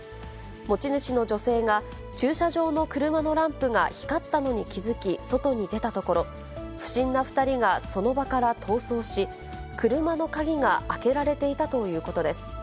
持ち主の女性が、駐車場の車のランプが光ったのに気付き、外に出たところ、不審な２人がその場から逃走し、車の鍵が開けられていたということです。